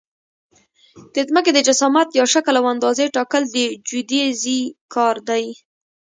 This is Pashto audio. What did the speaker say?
د ځمکې د جسامت یا شکل او اندازې ټاکل د جیودیزي کار دی